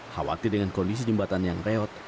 khawatir dengan kondisi jembatan yang reot